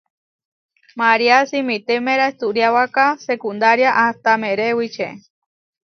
María simitémera ehturiáwaka seekundária ahta meré wiče.